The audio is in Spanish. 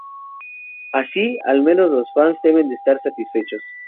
Así, al menos, los fans deben estar satisfechos.